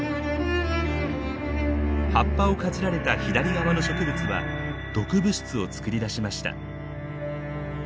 葉っぱをかじられた左側の植物は毒物質を作り出しました。